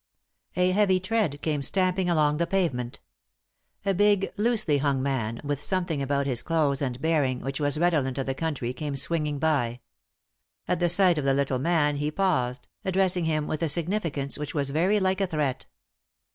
A heavy tread came stamping along the pavement A big, loosely hung man, with something about his clothes and bearing which was redolent of the country came swinging by. At sight of the little man he paused, addressing him with a significance which was very like a threat.